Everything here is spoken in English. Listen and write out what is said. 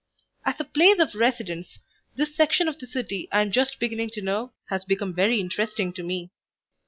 As a place of residence this section of the city I am just beginning to know has become very interesting to me.